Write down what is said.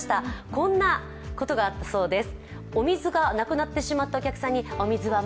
こんなことがあったそうです。